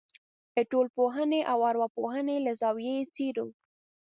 د ټولنپوهنې او ارواپوهنې له زاویې یې څېړو.